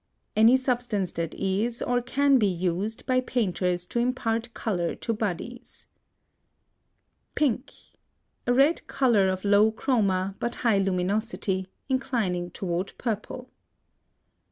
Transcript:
Any substance that is or can be used by painters to impart color to bodies. PINK. A red color of low chroma, but high luminosity, inclining toward purple.